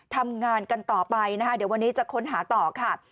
ทำงานกันต่อไปนะคะเดี๋ยววันนี้จะค้นหาต่อค่ะ